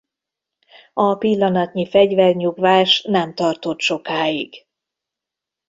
A pillanatnyi fegyvernyugvás nem tartott sokáig.